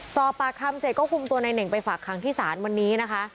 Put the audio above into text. สอบปากคำเสร็จก็คุมตัวนายเน่งไปฝากคังที่ศาลวันนี้นะคะ